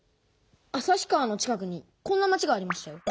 旭川の近くにこんな町がありましたよ。